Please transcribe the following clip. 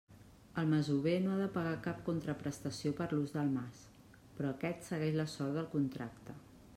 El masover no ha de pagar cap contraprestació per l'ús del mas, però aquest segueix la sort del contracte.